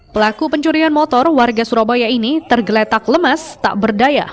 pelaku pencurian motor warga surabaya ini tergeletak lemas tak berdaya